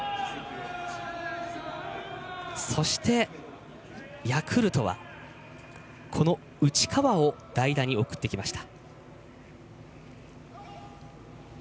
そしてヤクルトは内川を代打に送ってきました。